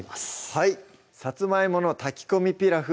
はい「さつまいもの炊き込みピラフ」